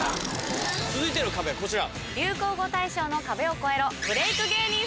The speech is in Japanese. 続いての壁はこちら。